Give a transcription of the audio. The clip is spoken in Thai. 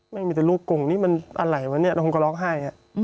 แม่งมีแต่ลูกกลุ่มนี่มันอะไรอะวะเนี่ยเราคงก็ร้องไห้อะ